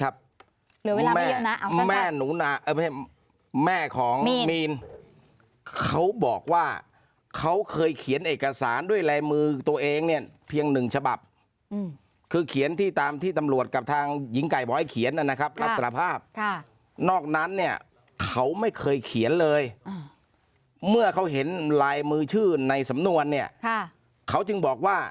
ล่ะเครื่องของการคำว่าจะบอกว่ามีการปลอมลายเซ็นแม่มีนคือเขาจะจริงเป็นนี้ครับ